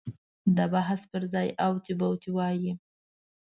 د بحث پر ځای اوتې بوتې ووایي.